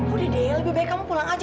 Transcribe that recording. udah deh lebih baik kamu pulang aja